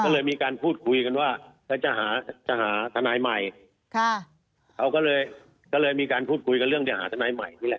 ก็เลยมีการพูดคุยกันว่าแล้วจะหาจะหาทนายใหม่ค่ะเขาก็เลยก็เลยมีการพูดคุยกันเรื่องจะหาทนายใหม่นี่แหละ